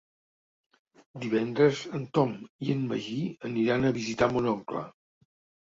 Divendres en Tom i en Magí aniran a visitar mon oncle.